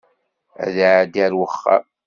Ad iɛeddi ar wexxam.